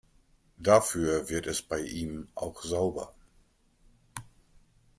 Dafür wird es bei ihm auch sauber.